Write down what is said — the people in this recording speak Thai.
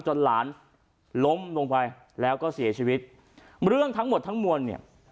หลานล้มลงไปแล้วก็เสียชีวิตเรื่องทั้งหมดทั้งมวลเนี่ย